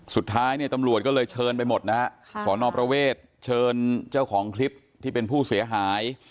สุดท้ายเนี่ยตำรวจก็เลยเชิญไปหมดนะฮะสอนอประเวทเชิญเจ้าของคลิปที่เป็นผู้เสียหาย